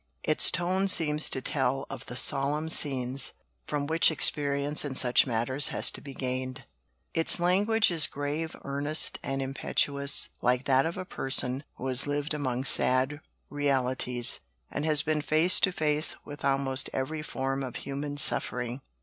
Its tone seems to tell of the solemn scenes from which experience in such matters has to be gained. Its language is grave, earnest, and impetuous, like that of a person who has lived among sad realities, and has been face to face with almost every form of human suffering."